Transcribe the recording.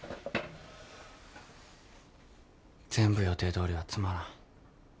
全部予定どおりはつまらん。